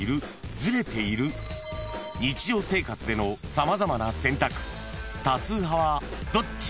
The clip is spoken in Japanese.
［日常生活での様々な選択多数派はどっち？］